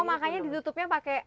oh makanya ditutupnya pakai